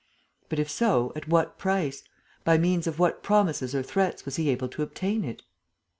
But, if so, at what price, by means of what promises or threats was he able to obtain it?